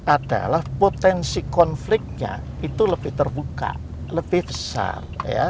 adalah potensi konfliknya itu lebih terbuka lebih besar